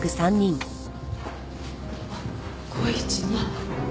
あっ「５１２」あっ。